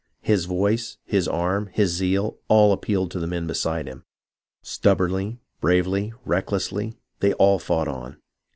His voice, his arm, his zeal, all appealed to the men beside him. Stubbornly, bravely, recklessly, they all fought on.